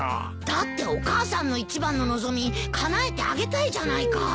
だってお母さんの一番の望みかなえてあげたいじゃないか。